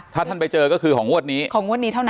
ถ้าท่านไปเจอก็คือของงวดนี้ของงวดนี้เท่านั้น